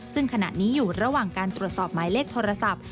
ซึ่งขณะนี้อยู่ระหว่างการตรวจสอบหมายเลขโทรศัพท์